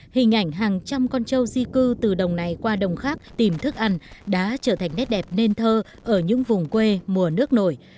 hình ảnh hàng trăm con trâu di cư từ đồng này qua đồng khác tìm thức ăn đã trở thành nét đẹp nên thơ ở những vùng quê mùa nước nổi